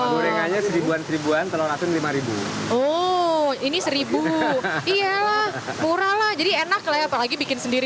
gorengannya seribuan seribuan telur asin lima ribu oh ini seribu iya pura jadi enak lagi bikin sendiri